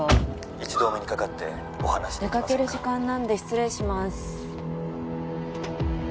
☎一度お目にかかってお話できませ出かける時間なんで失礼します